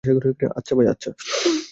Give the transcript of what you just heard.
আচ্ছা ভাই, আচ্ছা।